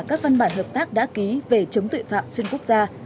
các văn bản hợp tác đã ký về chống tội phạm xuyên quốc gia